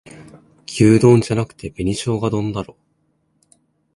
牛丼じゃなくて紅しょうが丼だろ